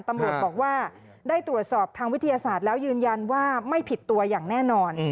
ตำรวจบอกว่าได้ตรวจสอบทางวิทยาศาสตร์แล้วยืนยันว่าไม่ผิดตัวอย่างแน่นอน